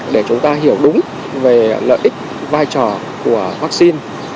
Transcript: để chúng ta hiểu đúng về lợi ích vai trò của vaccine